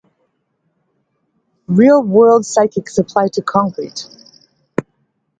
Real-world physics apply to Concrete.